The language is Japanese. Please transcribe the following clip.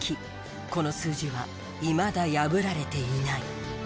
この数字はいまだ破られていない。